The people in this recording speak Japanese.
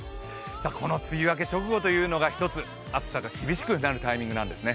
この梅雨明け直後というのが１つ、暑さが厳しくなるタイミングなんですね。